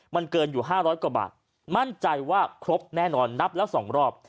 มันเกินอยู่๕๐๐กว่าบาทมั่นใจว่าครบแน่นอนนับแล้ว๒รอบ